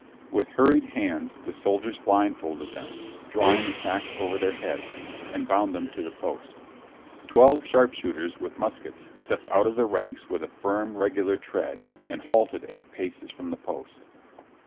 With hurried hands the soldiers blindfolded them, drawing the sacks over their heads, and bound them to the post. Twelve sharpshooters with muskets stepped out of the ranks with a firm regular tread and halted eight paces from the post.